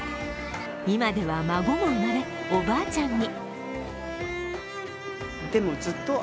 今では、孫も生まれおばあちゃんに。